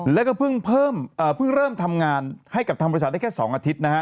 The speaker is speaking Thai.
แล้วก็เพิ่งเริ่มทำงานให้กับทางบริษัทได้แค่๒อาทิตย์นะฮะ